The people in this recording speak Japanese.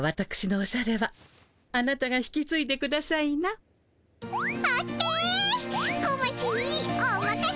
おまかせ。